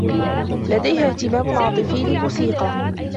لديها إهتمام عاطفي للموسيقى.